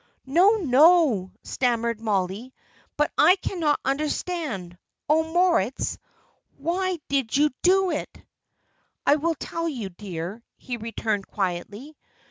"No, no!" stammered Mollie; "but I cannot understand. Oh, Moritz, why did you do it?" "I will tell you, dear," he returned, quietly.